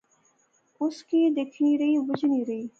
اس کی دیکھنی رہی، بجنی رہی